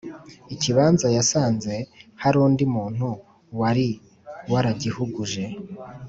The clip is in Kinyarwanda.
ikibanza yasanze hari undi muntu wari waragihuguje